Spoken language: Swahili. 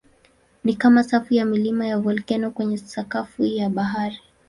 Ni kama safu ya milima ya volkeno kwenye sakafu ya bahari.